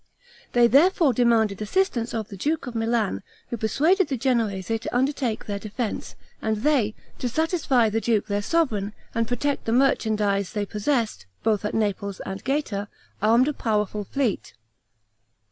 They therefore demanded assistance of the duke of Milan, who persuaded the Genoese to undertake their defense; and they, to satisfy the duke their sovereign, and protect the merchandise they possessed, both at Naples and Gaeta, armed a powerful fleet.